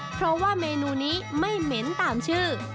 เพราะว่าเมนูนี้ไม่เหม็นตามชื่อ